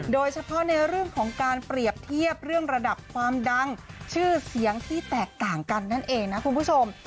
โดยเฉพาะในเรื่องของการเปรียบเทียบเรื่องระดับความดังชื่อเสียงที่แตกต่างกันนั่นเองนะคุณผู้ชม